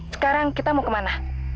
sekarang kita mau kemana